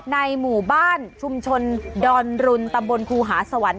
ในหมู่บ้านชุมชนดอนรุนตำบลครูหาสวรรค์